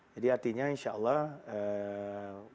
jadi artinya insya allah eee